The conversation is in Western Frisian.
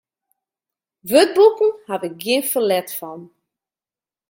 Wurdboeken haw ik gjin ferlet fan.